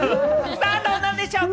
さぁ、どうなんでしょうか？